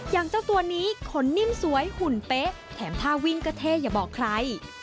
อย่างเจ้าตัวนี้ขนนิ่มสวยหุ่นเป๊ะแถมท่าวิ่งก็เท่อย่าบอกใคร